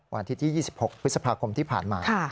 วันอาทิตย์ที่๒๖พฤษภาคมที่ผ่านมา